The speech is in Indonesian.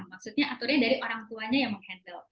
maksudnya aturnya dari orang tuanya yang mengurangi